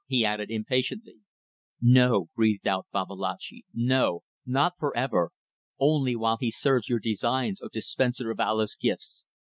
he added, impatiently. "No," breathed out Babalatchi. "No! Not for ever. Only while he serves your designs, O Dispenser of Allah's gifts!